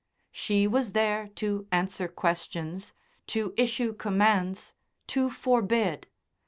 She was there to answer questions, to issue commands, to forbid.